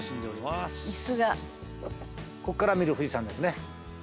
ここから見る富士山ですね。